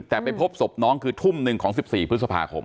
แต่ไปพบศพน้องคือทุ่มหนึ่งของ๑๔พฤษภาคม